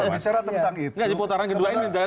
bicara tentang itu